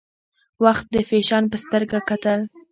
وخت د فیشن په سترګه کتل.